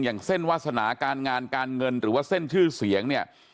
อย่างเส้นวาสนาการงานการเงินหรือว่าเส้นชื่อเสียงเนี่ย